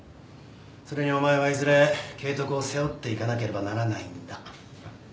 それにお前はいずれ慶徳を背負っていかなければならないんだ。